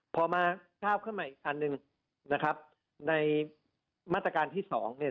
พอมาข้าวขึ้นมาอีกอันหนึ่งในมาตรการที่๒